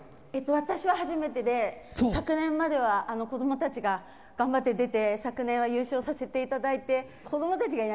私は初めてで、昨年までは子どもたちが頑張って出て、昨年は優勝させていただいて。